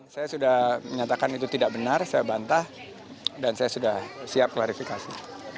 saya sudah menyatakan itu tidak benar saya bantah dan saya sudah siap klarifikasi